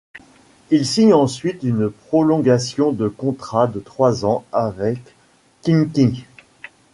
Il signe ensuite une prolongation de contrat de trois ans avec Khimki.